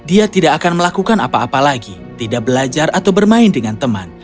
dia tidak akan melakukan apa apa lagi tidak belajar atau bermain dengan teman